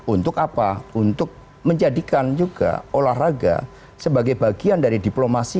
untuk apa untuk menjadikan juga olahraga sebagai bagian dari diplomasi